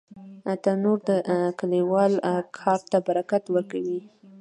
تنور د کلیوالو کار ته برکت ورکوي